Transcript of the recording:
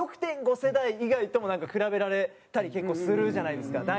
６．５世代以外とも比べられたり結構するじゃないですか。